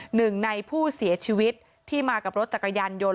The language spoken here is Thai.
หนึ่งในผู้เสียชีวิตที่มากับรถจักรยานยนต